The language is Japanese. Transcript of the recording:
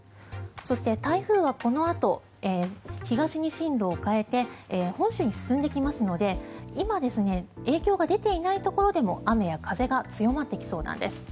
そして、台風はこのあと東に進路を変えて本州に進んできますので今、影響が出ていないところでも雨や風が強まってきそうなんです。